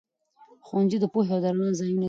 ښوونځي د پوهې او رڼا ځايونه دي.